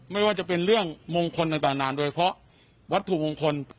ไม่ว่าจะเป็นเรื่องมงคลต่างนานโดยเพราะวัตถุมงคล